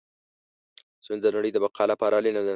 سوله د نړۍ د بقا لپاره اړینه ده.